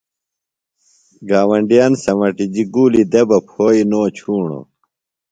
گاونڈیِان سمٹیۡ گُولیۡ دےۡ بہ پھوئی نو چُھوݨوۡ۔